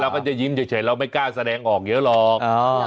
ก็จะยิ้มเฉยเราไม่กล้าแสดงออกเยอะหรอก